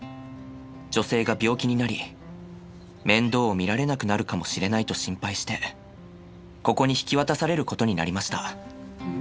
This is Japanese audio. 女性が病気になり面倒を見られなくなるかもしれないと心配してここに引き渡されることになりました。